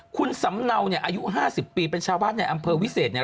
คุณสำเนาเนี่ยอายุ๕๐ปีเป็นชาวบ้านในอำเภอวิเศษเนี่ย